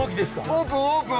オープンオープン！